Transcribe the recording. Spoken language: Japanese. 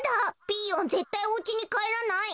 ピーヨンぜったいおうちにかえらない。